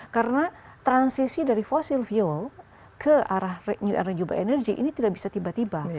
karena transisi dari fossil fuel ke arah renewable energy ini tidak bisa tiba tiba